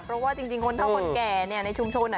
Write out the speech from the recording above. เพราะว่าจริงคนเท่าคนแก่เนี่ยในชุมชน